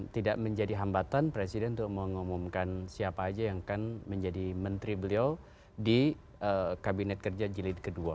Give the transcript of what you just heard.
tidak menjadi hambatan presiden untuk mengumumkan siapa saja yang akan menjadi menteri beliau di kabinet kerja jilid ii